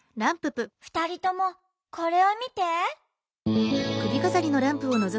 ふたりともこれをみて。